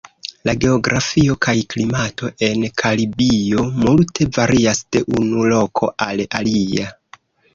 La geografio kaj klimato en Karibio multe varias de unu loko al alia.